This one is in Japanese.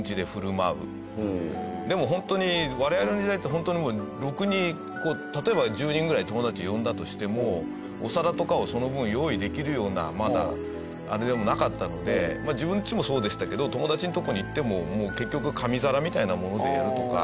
でもホントに我々の時代ってホントにもうろくに例えば１０人ぐらい友達呼んだとしてもお皿とかをその分用意できるようなまだあれでもなかったので自分ちもそうでしたけど友達のとこに行っても結局紙皿みたいなものでやるとか。